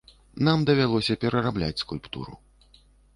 Нам давялося перарабляць скульптуру.